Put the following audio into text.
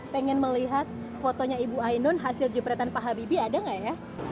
pengen melihat fotonya ibu ainun hasil jepretan pak habibie ada nggak ya